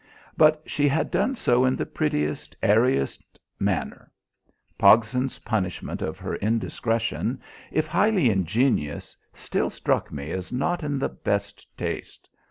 But she had done so in the prettiest, airiest manner. Pogson's punishment of her indiscretion, if highly ingenious, still struck me as not in the best taste.